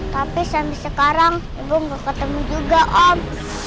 tapi sampai sekarang ibu nggak ketemu juga om